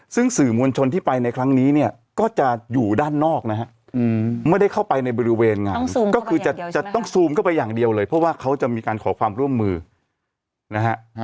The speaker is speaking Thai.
ซึ่งสื่อมวลชนที่ไปในครั้งนี้เนี่ยก็จะอยู่ด้านนอกนะฮะไม่ได้เข้าไปในบริเวณงานซูมก็คือจะต้องซูมเข้าไปอย่างเดียวเลยเพราะว่าเขาจะมีการขอความร่วมมือนะฮะ